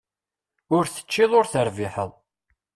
Ur teččiḍ ur terbiḥeḍ.